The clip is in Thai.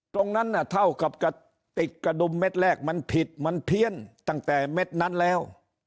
ตรงนั้นน่ะเท่ากับกระติกกระดุมเม็ดแรกมันผิดมันเพี้ยนตั้งแต่เม็ดนั้นแล้ว